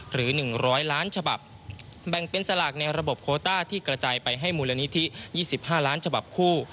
หรือ๑๐๐ล้านฉบับแบ่งเป็นสลากในระบบโคต้าที่กระจายไปให้มูลนิธิ๒๕ล้านฉบับคู่